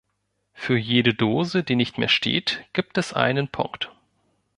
Für jede Dose, die nicht mehr steht, gibt es einen Punkt.